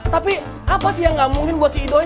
tapi apa sih yang nggak mungkin buat si idoi